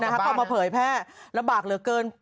เข้ามาเผยแพร่ระบาดเหลือเกิน